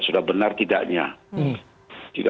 sudah benar tidaknya